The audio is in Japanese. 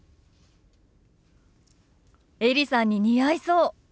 エリさんに似合いそう。